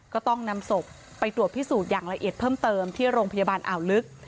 ก็ต้องนำศพไปตรวจพิสูจน์อย่างละเอียดเพิ่มเติมที่โรงพยาบาลอ่าวลึก